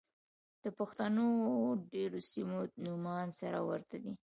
د پښتنو د ډېرو سيمو نومان سره ورته دي.